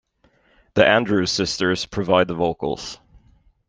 The Andrews Sisters provide the vocals.